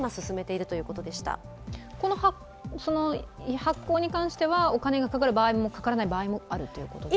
発行に関してはお金がかかる場合もかからない場合もあるということですか？